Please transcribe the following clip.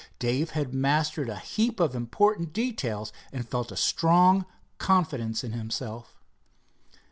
Dave had mastered a heap of important details, and felt strong confidence in himself.